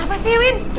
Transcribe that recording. apa sih win